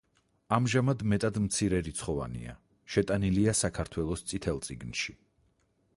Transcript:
ამჟამად მეტად მცირერიცხოვანია, შეტანილია საქართველოს „წითელ წიგნში“.